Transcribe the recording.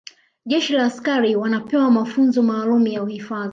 jeshi la askari wanapewa mafunzo maalumu ya uhifadhi